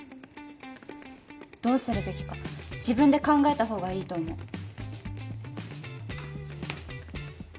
どうするべきか自分で考えたほうがいいと思う。